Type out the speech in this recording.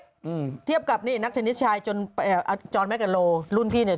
อืมเทียบกับนี่นักเทนนิสชายจนเอ่ออาจรแม่กะโลรุ่นพี่เนี้ย